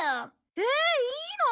えっいいの？